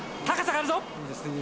高さがあるぞ。